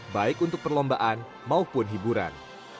baik untuk perlombaan maupun hiburan